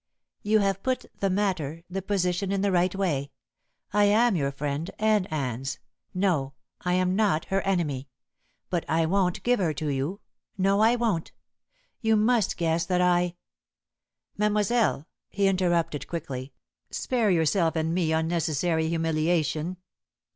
"You have put the matter the position in the right way. I am your friend and Anne's no, I am not her enemy. But I won't give her to you. No, I won't. You must guess that I " "Mademoiselle," he interrupted quickly, "spare yourself and me unnecessary humiliation.